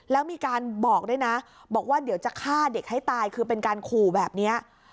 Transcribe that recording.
แล้วมีการบอกด้วยนะบอกว่าเดี๋ยวจะฆ่าเด็กให้ตายคือเป็นการขู่แบบนี้